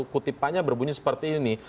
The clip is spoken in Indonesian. kutipannya berbunyi seperti ini